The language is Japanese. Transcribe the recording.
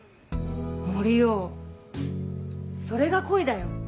森生それが恋だよ。